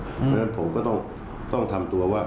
เพราะฉะนั้นผมก็ต้องทำตัวว่า